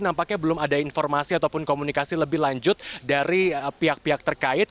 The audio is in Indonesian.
nampaknya belum ada informasi ataupun komunikasi lebih lanjut dari pihak pihak terkait